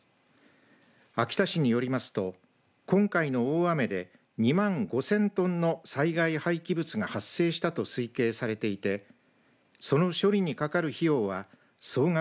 秋田市によりますと今回の大雨で２万５０００トンの災害廃棄物が発生したと推計されていてその処理にかかる費用は総額